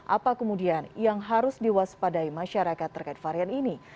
apa kemudian yang harus diwaspadai masyarakat terkait varian ini